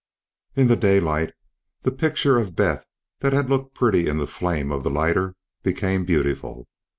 In the daylight, the picture of Beth that had looked pretty in the flame of the lighter, became beautiful.